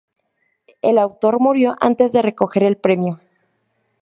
El autor murió antes de recoger el premio.